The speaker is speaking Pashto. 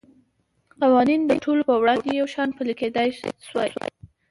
قوانین د ټولو په وړاندې یو شان پلی کېدای شوای.